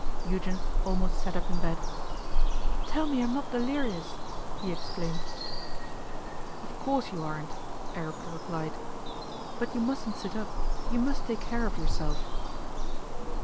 Eugen almost sat up in bed. 'Tell me I am not delirious,' he exclaimed. 'Of course you aren't,' Aribert replied. 'But you mustn't sit up. You must take care of yourself.